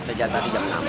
sejak tadi jam enam